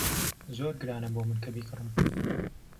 زۆر گرانە بۆ من کە بیکڕم.